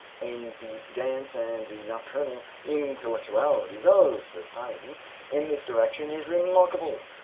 in the dance and the nocturnal intellectualities of society) in this direction is remarkable.